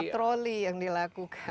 patroli yang dilakukan